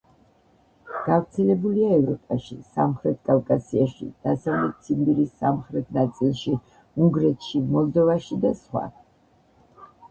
გავრცელებულია ევროპაში, სამხრეთ კავკასიაში, დასავლეთ ციმბირის სამხრეთ ნაწილში, უნგრეთში, მოლდოვაში და სხვა.